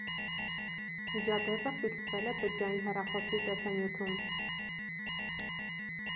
Միջադեպը ֆիքսվել է բջջային հեռախոսի տեսանյութում։